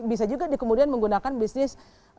bisa juga kemudian menggunakan bisnis